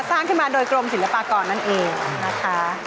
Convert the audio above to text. สร้างขึ้นมาโดยกรมศิลปากรนั่นเองนะคะ